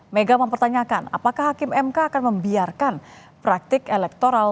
mega mempertanyakan apakah hakim mk akan membiarkan praktik elektoral